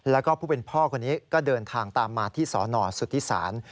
แล้วก็ผู้เป็นพ่อคนนี้ก็เดินทางตามมาที่สนสุธิศาล